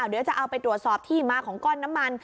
เดี๋ยวจะเอาไปตรวจสอบที่มาของก้อนน้ำมัน